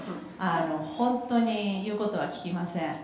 「本当に言う事は聞きません」